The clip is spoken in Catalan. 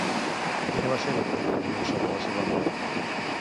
Quina va ser la conclusió sobre la seva mort?